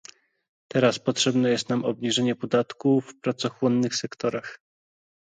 Teraz potrzebne jest nam obniżenie podatku w pracochłonnych sektorach